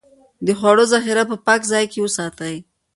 د خوړو ذخيره په پاک ځای کې وساتئ.